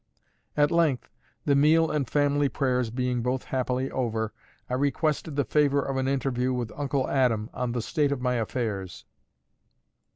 At length, the meal and family prayers being both happily over, I requested the favour of an interview with Uncle Adam on "the state of my affairs."